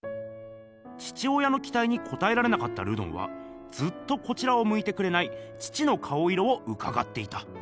父親のきたいにこたえられなかったルドンはずっとこちらをむいてくれない父の顔色をうかがっていた。